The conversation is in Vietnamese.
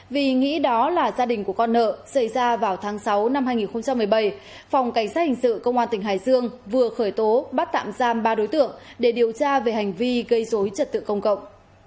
vì nghĩ đó là gia đình của con nợ xảy ra vào tháng sáu năm hai nghìn một mươi bảy phòng cảnh sát hình sự công an tỉnh hải dương vừa khởi tố bắt tạm giam ba đối tượng để điều tra về hành vi gây dối trật tự công cộng